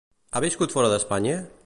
Ha viscut fora d'Espanya?